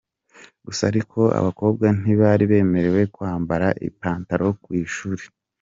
Gusa ariko abakobwa ntibari bemerewe kwambara ipantalo ku ishuri.